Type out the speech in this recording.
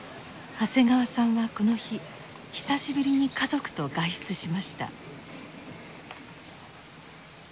長谷川さんはこの日久しぶりに家族と外出しました。